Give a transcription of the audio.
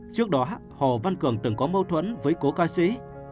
trước đó hồ văn cường từng có mâu thuẫn với cố ca sĩ